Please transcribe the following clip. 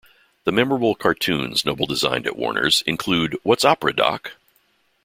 The memorable cartoons Noble designed at Warners include What's Opera, Doc?